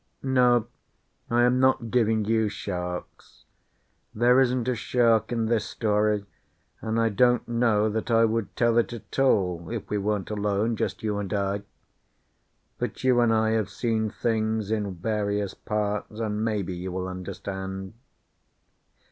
No, I am not giving you "sharks." There isn't a shark in this story, and I don't know that I would tell it at all if we weren't alone, just you and I. But you and I have seen things in various parts, and maybe you will understand.